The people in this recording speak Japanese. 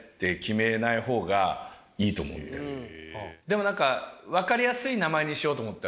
でもなんかわかりやすい名前にしようと思ったんですよ